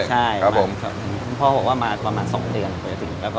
ใช่พ่อบอกว่ามาประมาณ๒เดือนก็จะถึง